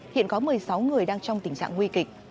hiện có một mươi sáu người đang trong tình trạng nguy kịch